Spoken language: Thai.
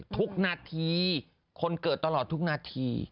ทุกนาทีคนเกิดตลอดทุกนาที